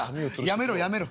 やめろやめろ。